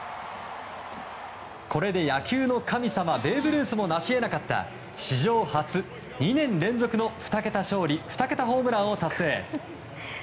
これで野球の神様ベーブ・ルースも成し得なかった史上初２年連続の２桁勝利２桁ホームランを達成。